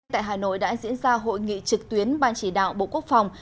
tại hà nội đã diễn ra hội nghị trực tuyến ban chỉ đạo bộ quốc phòng